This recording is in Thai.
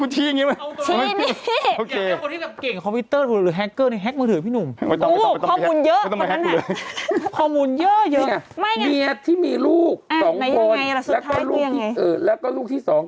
ชี้ที่หนังสือนี่ไงนี่